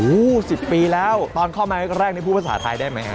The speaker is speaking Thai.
อู้ว๑๐ปีแล้วตอนเข้ามาก็แรกนี่พูดภาษาไทยได้ไหมครับ